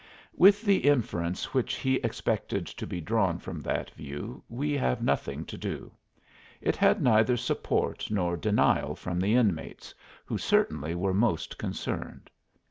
With the inference which he expected to be drawn from that view we have nothing to do; it had neither support nor denial from the inmates, who certainly were most concerned.